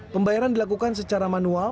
pembayaran dilakukan secara manual